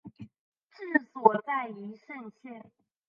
治所在宜盛县。